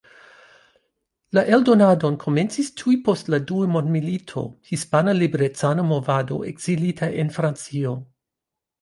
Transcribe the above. La eldonadon komencis tuj post la dua mondmilito Hispana Liberecana Movado ekzilita en Francio.